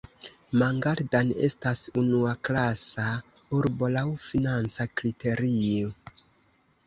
Mangaldan estas unuaklasa urbo laŭ financa kriterio.